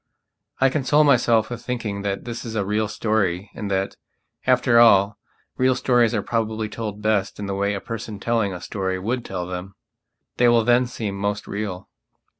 I console myself with thinking that this is a real story and that, after all, real stories are probably told best in the way a person telling a story would tell them. They will then seem most real.